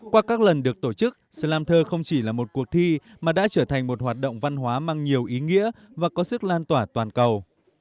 qua các lần được tổ chức slam thơ không chỉ là một cuộc thi mà đã trở thành một hoạt động văn hóa mang nhiều ý nghĩa và có sức lan tỏa toàn cầu